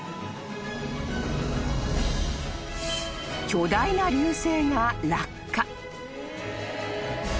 ［巨大な流星が落下］